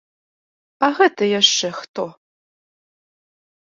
А гэта яшчэ хто?